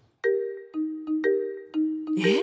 え！